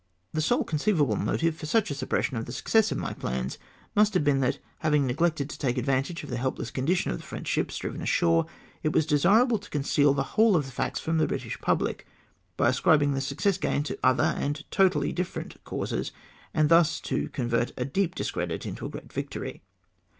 The sole conceivable motive for such a suppression of the success of my plans must have been that, having neglected to take advantage of the helpless condition of the French ships driven ashore, it was desirable to conceal the whole of the facts from the British public, by ascribing the success gained to other, and totally different causes, and thus to convert a deep discredit into a great victory